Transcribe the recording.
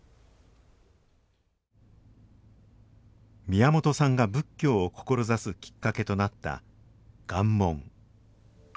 宮本さんが仏教を志すきっかけとなった「願文」。